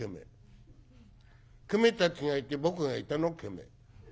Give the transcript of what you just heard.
『ケメたちがいて僕がいた』の『ケメ』。